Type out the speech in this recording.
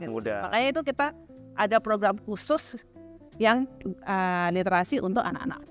makanya itu kita ada program khusus yang literasi untuk anak anak